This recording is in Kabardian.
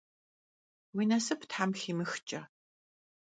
Vui nasıp them ximıxç'e!